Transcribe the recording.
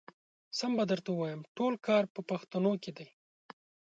سم به درته ووايم ټول کار په پښتنو کې دی.